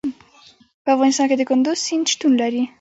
په افغانستان کې د کندز سیند شتون لري.